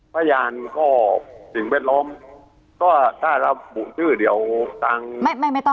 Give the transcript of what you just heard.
พยานก็สิ่งแวดล้อมก็ถ้ารับบุคชื่อเดียว